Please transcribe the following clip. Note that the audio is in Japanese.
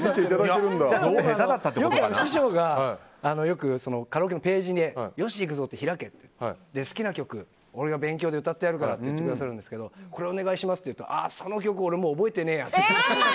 師匠がよくカラオケのページに吉幾三開け、好きな曲を俺が勉強で歌ってやるからって言ってくださるんですけどこれお願いしますって言うとその曲もう覚えてねえやって。